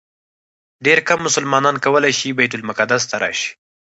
ډېر کم مسلمانان کولی شي بیت المقدس ته راشي.